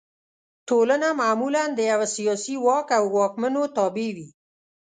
ټولنه معمولا د یوه سیاسي واک او واکمنو تابع وي.